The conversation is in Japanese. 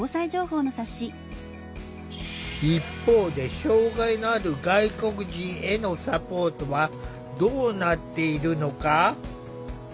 一方で障害のある外国人へのサポートはどうなっているのか。